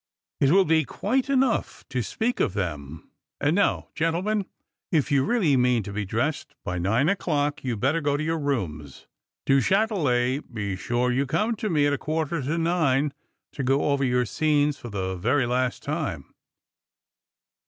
"" It will be quite enough to speak of them. And now, gentlemen, if you really mean to be dressed by nine o'clock, you'd better go to your rooms. Du Chatelet, be sure you come to me at a quai ter to nine to go over your scenes for the very last time."